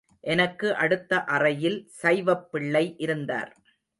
எனக்கு அடுத்த அறையில் சைவப்பிள்ளை இருந்தார்.